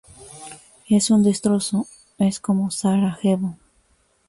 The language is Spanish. Es un destrozo, es como Sarajevo.